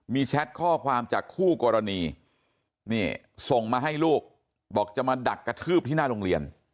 มีแชทข้อความจากคู่กรณีนี่ส่งมาให้ลูกบอกจะมาดักกระทืบที่หน้าโรงเรียน